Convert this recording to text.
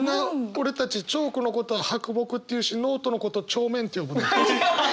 俺たちチョークのことを「白墨」って言うしノートのことを「帳面」って呼ぶの。